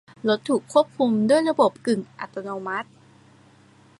รถถูกควบคุมด้วยระบบกึ่งอัตโนมัติ